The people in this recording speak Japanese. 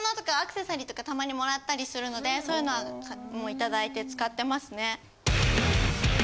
たまにもらったりするのでそういうのはいただいて使ってますね。